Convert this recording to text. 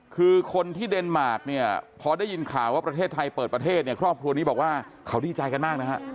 คือคนที่เดนมาร์คเนี่ยพอได้ยินข่าวว่าประเทศไทยเปิดประเทศเนี่ยครอบครัวนี้บอกว่าเขาดีใจกันมากนะฮะ